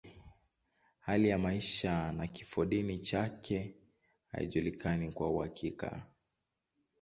Hali ya maisha na kifodini chake haijulikani kwa uhakika.